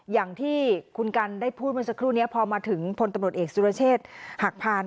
อย่างที่คุณกันได้พูดเมื่อสักครู่นี้พอมาถึงพลตำรวจเอกสุรเชษฐ์หักพาน